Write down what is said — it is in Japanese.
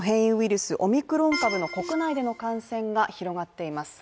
スオミクロン株の国内での感染が広がっています。